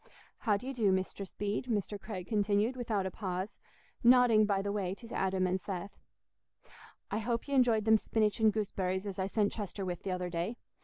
How do ye do, Mistress Bede?" Mr. Craig continued, without a pause, nodding by the way to Adam and Seth. "I hope y' enjoyed them spinach and gooseberries as I sent Chester with th' other day.